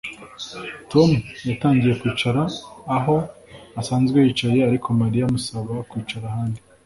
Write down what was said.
Tom yatangiye kwicara aho asanzwe yicaye ariko Mariya amusaba kwicara ahandi